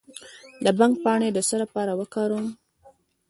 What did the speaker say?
د بنګ پاڼې د څه لپاره وکاروم؟